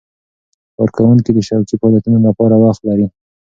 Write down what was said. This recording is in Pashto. کارکوونکي د شوقي فعالیتونو لپاره وخت لري.